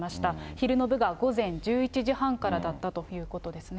昼の部が午前１１時半からだったということですね。